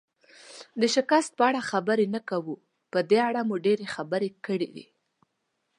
د شکست په اړه خبرې نه کوو، په دې اړه مو ډېرې خبرې کړي.